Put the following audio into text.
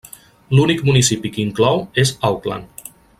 L'únic municipi que inclou és Auckland.